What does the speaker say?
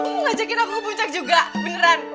kamu ngajakin aku ke puncak juga beneran